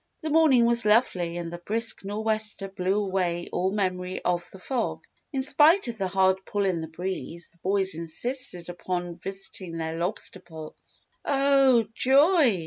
The morning was lovely and the brisk nor'wester blew away all memory of the fog. In spite of the hard pull in the breeze, the boys insisted upon visiting their lobster pots. "Oh joy!